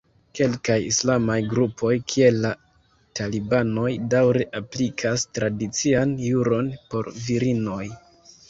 Kelkaj islamaj grupoj kiel la talibanoj daŭre aplikas tradician juron por virinoj.